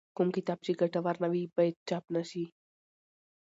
کوم کتاب چې ګټور نه وي باید چاپ نه شي.